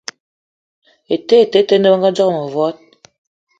Ete ete te, dò bëngadzoge mëvòd